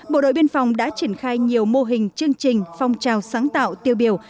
bộ đội biên phòng đã triển khai nhiều mô hình chương trình phong trào sáng tạo tiêu biểu